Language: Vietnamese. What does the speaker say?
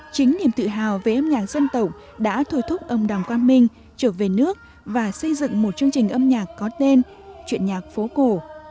chính niềm tự hào về âm nhạc dân tộc đã thôi thúc ông đàm quan minh trở về nước và xây dựng một chương trình âm nhạc có tên chuyện nhạc phố cổ